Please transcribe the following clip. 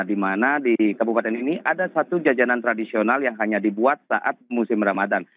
di mana di kabupaten ini ada satu jajanan tradisional yang hanya dibuat saat musim ramadan